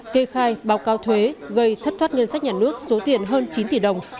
kê khai báo cao thuế gây thất thoát ngân sách nhà nước số tiền hơn chín tỷ đồng